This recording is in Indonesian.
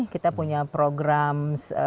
kita punya program